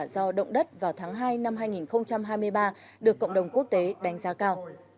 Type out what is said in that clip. do động đất vào tháng hai năm hai nghìn hai mươi ba được cộng đồng quốc tế đánh giá cao